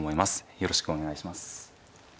よろしくお願いします。